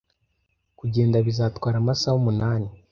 Kugenda bizatwara amasaha umunani.